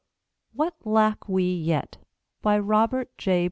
_" WHAT LACK WE YET? BY ROBERT J.